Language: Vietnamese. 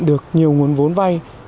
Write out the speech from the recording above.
được nhiều nguồn vốn vay